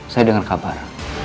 saya dengar kabar